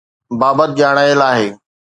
بابت ڄاڻايل آهي